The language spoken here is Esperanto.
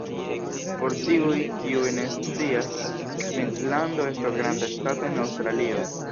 Por tiuj, kiuj ne scias, Kvinslando estas granda ŝtato en Aŭstralio.